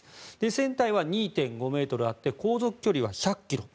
船体は２．５ｍあって航続距離は１００ｋｍ。